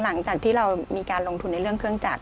หลังจากที่เรามีการลงทุนในเรื่องเครื่องจักร